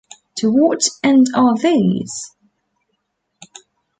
To what end are these?